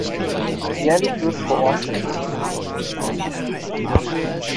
Jährlich wird vor Ort ein Burgfest organisiert.